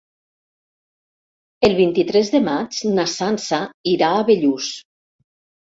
El vint-i-tres de maig na Sança irà a Bellús.